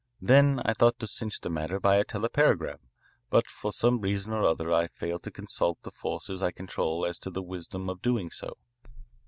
Then I thought to clinch the matter by a telepagram, but for some reason or other I failed to consult the forces I control as to the wisdom of doing so.